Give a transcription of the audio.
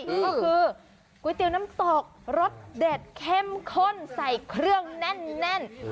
ก็คือก๋วยเตี๋ยวน้ำตกรสเด็ดเข้มข้นใส่เครื่องแน่น